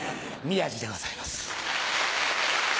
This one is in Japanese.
宮治でございます。